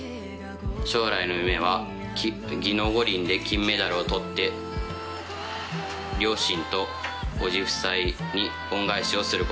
将来の夢は技能五輪で金メダルを取って両親と伯父夫妻に恩返しをすることです。